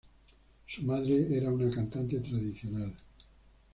Su madre era una cantante tradicional.